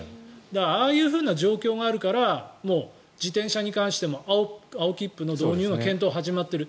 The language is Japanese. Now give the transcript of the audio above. ああいうふうな状況があるから自転車に関しても青切符の導入の検討が始まっている。